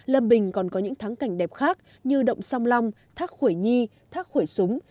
lâm bình còn có những tháng cảnh đẹp khác như động song long thác khuẩy nhi thác khuẩy súng